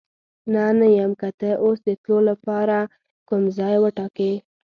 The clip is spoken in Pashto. نه، نه یم، که ته اوس د تلو لپاره کوم ځای وټاکې.